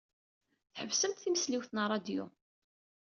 Tḥebsemt timesliwt n ṛṛadyu.